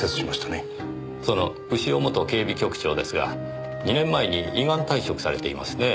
その潮元警備局長ですが２年前に依願退職されていますね。